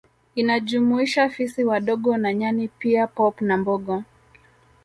Inajumuisha fisi wadogo na Nyani pia pop na mbogo